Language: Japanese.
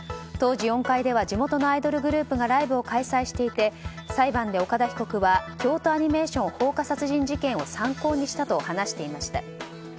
当時４階では地元のアイドルグループがライブを開催していて裁判で岡田被告は京都アニメーション放火殺人事件を参考にしたと話していました。